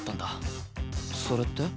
それって？